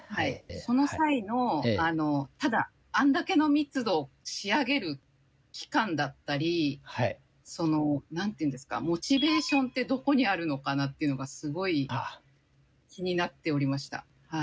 その際のただあんだけの密度を仕上げる期間だったりその何て言うんですかモチベーションってどこにあるのかなっていうのがすごい気になっておりました。